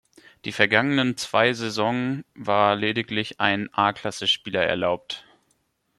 Die vergangenen zwei Saisonen war lediglich ein A-Klasse-Spieler erlaubt.